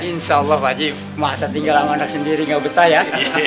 insya allah pak haji masa tinggal sama anak sendiri gak betah ya